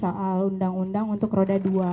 soal undang undang untuk roda dua